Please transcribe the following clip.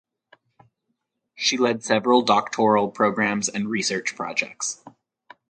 She led several doctoral programmes and research projects.